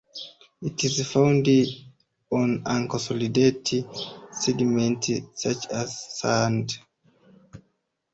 It is found on unconsolidated sediments such as sand.